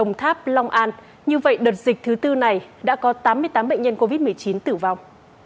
như vậy đợt dịch thứ bốn này đã có tám mươi tám bệnh nhân covid một mươi chín tử vong